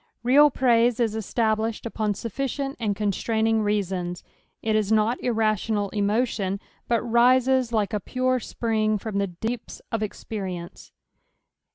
Real praise is established upon sufficient and constraining reasons ; it is not irrational emotion, but rises, like a pure spring, from the deeps of experience.